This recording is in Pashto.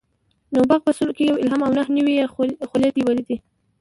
نبوغ په سلو کې یو الهام او نهه نوي یې خولې تویول دي.